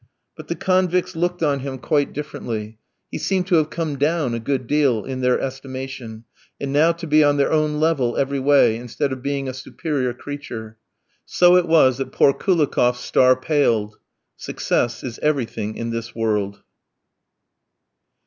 But the convicts looked on him quite differently; he seemed to have come down a good deal in their estimation, and now to be on their own level every way, instead of being a superior creature. So it was that poor Koulikoff's star paled; success is everything in this world.